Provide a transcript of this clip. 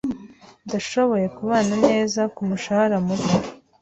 Ndashoboye kubana neza kumushahara muto.